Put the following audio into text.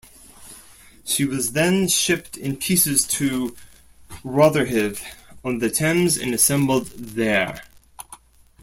She was then shipped in pieces to Rotherhithe on the Thames and assembled there.